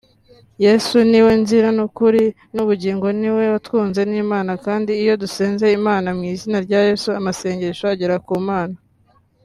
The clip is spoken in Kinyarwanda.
Yesu niwe nzira nukuri nubugingo niwe watwunze nImana kandi iyo dusenze Imana mwizina rya Yesu amasengesho agera Kumana